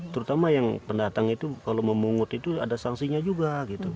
terutama yang pendatang itu kalau memungut itu ada sanksinya juga gitu